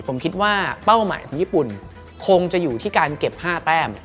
ผมคิดว่าเป้าหมายของญี่ปุ่นคงจะอยู่ที่การเก็บ๕แต้ม